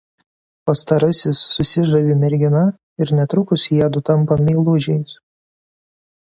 Pastarasis susižavi mergina ir netrukus jiedu tampa meilužiais.